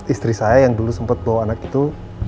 istri saya yang dulu sempat bawa anak itu